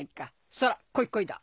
そら「こいこい」だ。